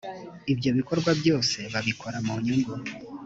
ibyo bikorwa byose babikora mu nyungu